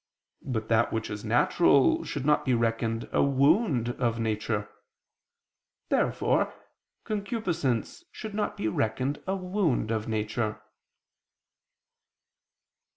But that which is natural should not be reckoned a wound of nature. Therefore concupiscence should not be reckoned a wound of nature.